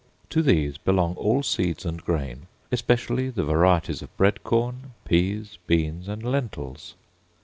To these belong all seeds and grain, especially the varieties of bread corn, peas, beans, and lentils.